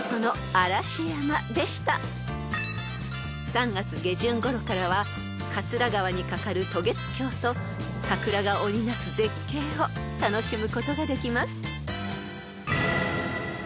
［３月下旬ごろからは桂川に架かる渡月橋と桜が織りなす絶景を楽しむことができます］